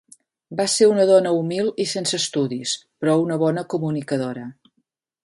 Va ser una dona humil i sense estudis però una bona comunicadora.